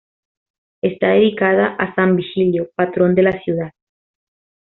Está dedicada a San Vigilio, patrón de la ciudad.